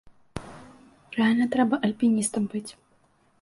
Рэальна, трэба альпіністам быць!